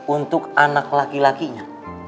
untuk anak laki lakinya